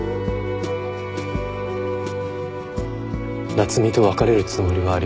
夏海と別れるつもりはありません。